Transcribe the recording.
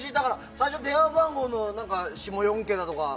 最初、電話番号の下４桁とか。